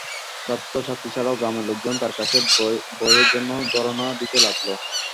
ছাত্রছাত্রী ছাড়াও গ্রামের লোকজন তাঁর কাছে বইয়ের জন্য ধরনা দিতে লাগল।